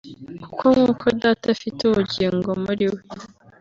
« kuko nk’uko Data afite ubugingo muri we